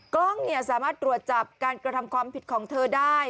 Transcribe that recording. กล้องสามารถตรวจจับการกระทำความผิดของเธอได้